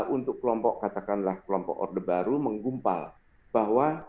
untuk kelompok katakanlah kelompok orde baru menggumpal bahwa